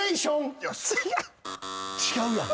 違うやん。